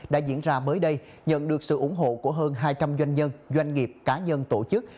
đã diễn ra mới đây nhận được sự ủng hộ của hơn hai trăm linh doanh nhân doanh nghiệp cá nhân tổ chức